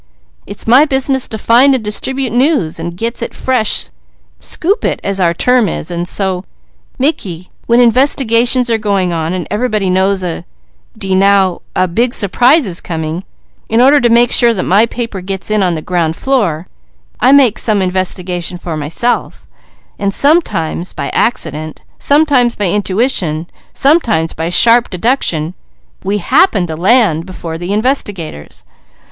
It's my business to find and distribute news, and get it fresh, 'scoop it,' as our term is, and so, Mickey, when investigations are going on, and everybody knows a denou a big surprise is coming, in order to make sure that my paper gets in on the ground floor, I make some investigation for myself, and sometimes by accident, sometimes by intuition, sometimes by sharp deduction we happen to land before the investigators.